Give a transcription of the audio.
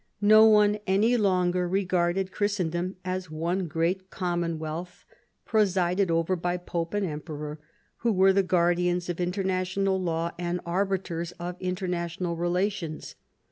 No one any longer regarded Christendom as one great common wealth, presided over by Pope and Emperor, who were the guardians of international law and arbiters of .interna tional relations.